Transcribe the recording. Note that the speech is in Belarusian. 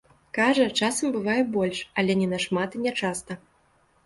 Кажа, часам бывае больш, але не нашмат і нячаста.